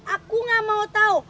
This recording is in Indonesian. aku gak mau tahu